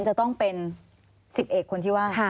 จะต้องเป็น๑๐เอกคนที่ว่า